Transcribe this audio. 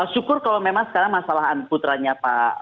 syukur kalau memang sekarang masalah putranya pak